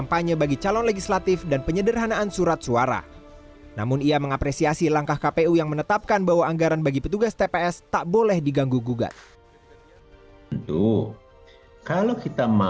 pemilu serentak dua ribu dua puluh